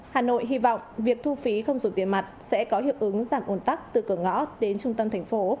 hà nội hy vọng việc thu phí không dùng tiền mặt sẽ có hiệu ứng giảm ồn tắc từ cửa ngõ đến trung tâm thành phố